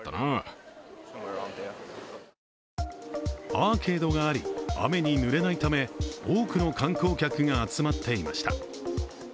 アーケードがあり、雨にぬれないため、多くの観光客が集まっていました。